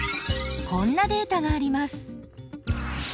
こんなデータがあります。